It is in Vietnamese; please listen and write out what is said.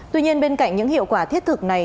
tuy nhiên bên cạnh những hiệu quả thiết thực này